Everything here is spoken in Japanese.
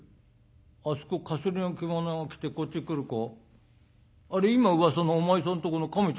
あそこかすりの着物を着てこっち来る子あれ今うわさのお前さんとこの亀ちゃんじゃないかい？」。